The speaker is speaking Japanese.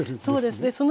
そうですね